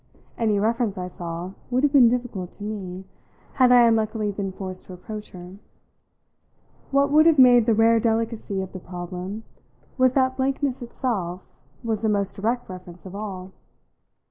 Any reference, I saw, would have been difficult to me, had I unluckily been forced to approach her. What would have made the rare delicacy of the problem was that blankness itself was the most direct reference of all.